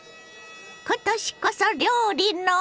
今年こそ料理の。